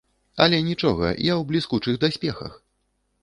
Але нічога, я ў бліскучых даспехах!